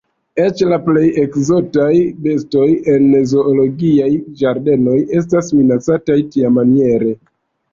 Eĉ la plej ekzotaj bestoj en zoologiaj ĝardenoj estas minacataj tiamaniere!